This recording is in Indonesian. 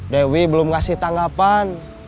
dewi belum ngasih tanggapan